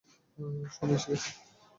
সময় এসে গেছে!